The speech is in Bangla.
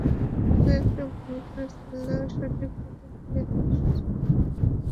দু-একটা ভুল করে ফেললেও সঠিক পথে ফিরে আসার সুযোগ খোলাই থাকে।